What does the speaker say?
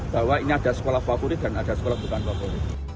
bahwa ini ada sekolah favorit dan ada sekolah bukan favorit